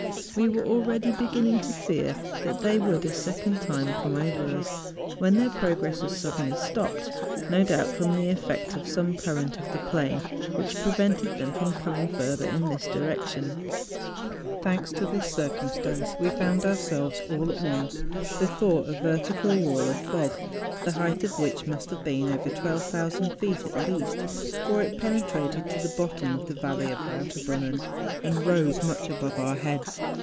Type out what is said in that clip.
We were already beginning to fear that they would a second time come over us, when their progress was suddenly stopped, no doubt from the effect of some current of the plain, wliich prevented tliem from coming further in this direc 80 MOUNTAIN ADVENTURES. tion. Thanks to this circumstance, we found our¬ selves, all at once, before a vertical wall of fog, the height of which must have been over 12,000 feet at least, for it penetrated to the bottom of the Valley of Lauterbrunnen and rose much above our heads.